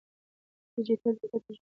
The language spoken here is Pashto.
ډیجیټل ډیټا د ژبې عمر زیاتوي.